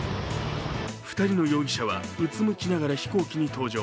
２人の容疑者はうつむきながら飛行機に搭乗。